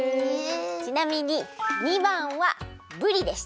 ちなみに２ばんはぶりでした！